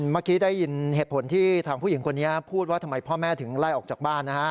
เมื่อกี้ได้ยินเหตุผลที่ทางผู้หญิงคนนี้พูดว่าทำไมพ่อแม่ถึงไล่ออกจากบ้านนะฮะ